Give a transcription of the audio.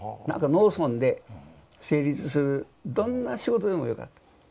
農村で成立するどんな仕事でもよかった。